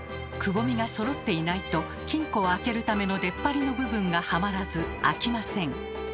くぼみがそろっていないと金庫を開けるための出っ張りの部分がはまらず開きません。